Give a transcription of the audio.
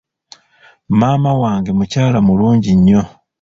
Maama wange mukyala mulungi nnyo.